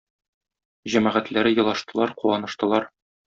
Җәмәгатьләре елаштылар, куаныштылар.